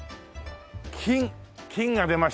金金が出ましたよ。